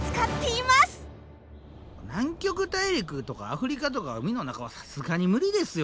南極大陸とかアフリカとか海の中はさすがに無理ですよ